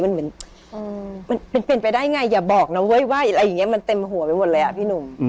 มันเหมือนเป็นไปได้ไงอย่าเบาะนะเว้ยว่าอย่างยังไงมันเต็มทั่วหัวไปหมดเลยอ่ะพิ่นุ่ม